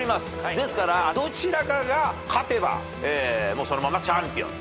ですからどちらかが勝てばもうそのままチャンピオンと。